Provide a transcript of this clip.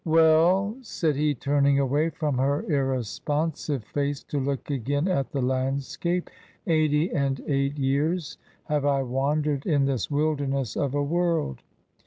" Well," said he, turning away from her irresponsive face to look again at the landscape, " eighty and eight years have I wandered in this wilderness of a world.